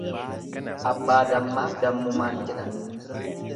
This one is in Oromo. Abbaa dammaa dammumaan jedhan.